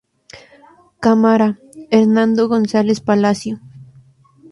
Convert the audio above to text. Cámara: Hernando González Palacio.